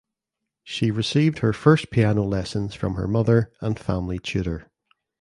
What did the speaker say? She received her first piano lessons from her mother and the family tutor.